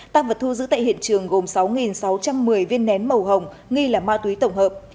tăng vật thu giữ tại hiện trường gồm sáu sáu trăm một mươi viên nén màu hồng nghi là ma túy tổng hợp